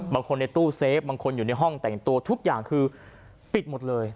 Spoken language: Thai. ในตู้เซฟบางคนอยู่ในห้องแต่งตัวทุกอย่างคือปิดหมดเลย